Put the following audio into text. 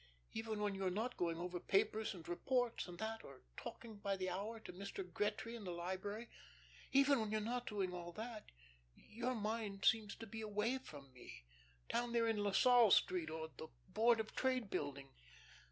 Even when you are not going over papers and reports and that, or talking by the hour to Mr. Gretry in the library even when you are not doing all that, your mind seems to be away from me down there in La Salle Street or the Board of Trade Building.